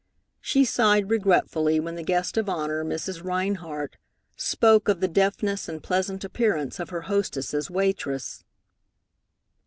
She sighed regretfully when the guest of honor, Mrs. Rhinehart, spoke of the deftness and pleasant appearance of her hostess's waitress.